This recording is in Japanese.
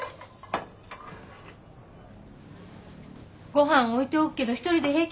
ご飯置いておくけど１人で平気よね。